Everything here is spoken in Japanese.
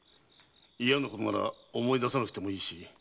嫌なことなら思い出さなくてもいいし。